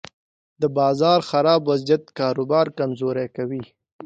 د بازار خراب وضعیت کاروبار کمزوری کوي.